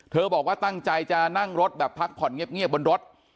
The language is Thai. บอกว่าตั้งใจจะนั่งรถแบบพักผ่อนเงียบบนรถ